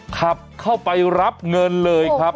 ขับเข้าไปรับเงินเลยครับ